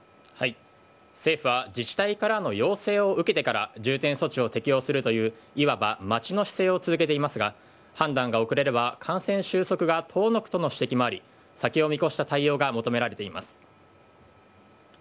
政府は自治体からの要請を受けてから重点措置を適用するといういわば待ちの姿勢を続けていますが判断が遅れれば感染収束が遠のくとの指摘もあり先を見越した対応が求められています。